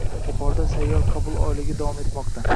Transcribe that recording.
Buxoroda “Sayyor qabul oyligi” davom etmoqda